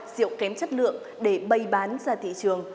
rượu kém chất lượng để bày bán ra thị trường